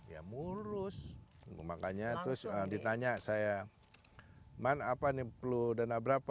ya mulus makanya terus ditanya saya man apa nih perlu dana berapa